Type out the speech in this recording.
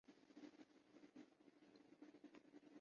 سمیت پاکستان کے تمام بڑے شہروں کے